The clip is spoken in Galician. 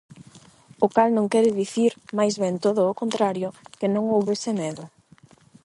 O cal non quere dicir -máis ben todo o contrario- que non houbese medo.